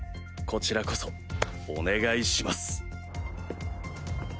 こちらこそお願いします。